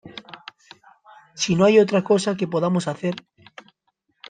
si no hay otra cosa que podamos hacer...